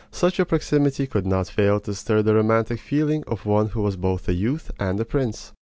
Such a proximity could not fail to stir the romantic feeling of one who was both a youth and a prince.